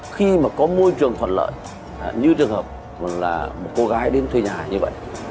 khi mà có môi trường thuận lợi như trường hợp là một cô gái đến thuê nhà như vậy